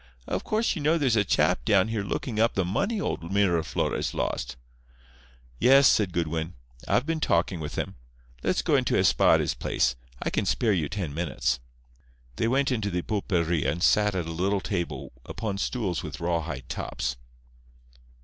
Of course you know there's a chap down here looking up the money old Miraflores lost." "Yes," said Goodwin, "I've been talking with him. Let's go into Espada's place. I can spare you ten minutes." They went into the pulperia and sat at a little table upon stools with rawhide tops.